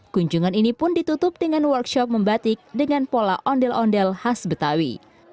kunjungan ini pun ditutup dengan workshop membatik dengan pola ondel ondel khas betawi